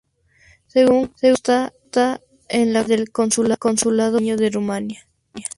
Según consta en la cartilla del Consulado brasileño en Rumania, su profesión era mecánico.